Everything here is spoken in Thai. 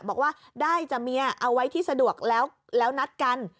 บอกว่าได้จะเมียเอาไว้ที่สะดวกแล้วนัดกัน